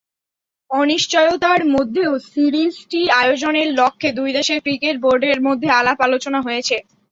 অনিশ্চয়তার মধ্যেও সিরিজটি আয়োজনের লক্ষ্যে দুই দেশের ক্রিকেট বোর্ডের মধ্যে আলাপ-আলোচনা হয়েছে।